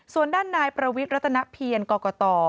ส่วนด้านนายประวิทย์รัตนเพียรกรกต